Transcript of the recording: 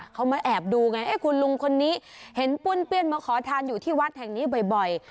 เขามาแอบดูไงคุณลุงคนนี้เห็นป้วนเปี้ยนมาขอทานอยู่ที่วัดแห่งนี้บ่อย